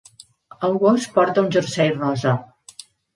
El gos porta un jersei rosa.